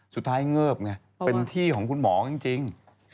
สุดท้ายเงิบไงเป็นที่ของคุณหมอจริง